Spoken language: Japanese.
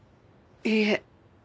いいえ。